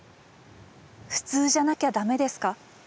普通じゃなきゃ駄目ですか？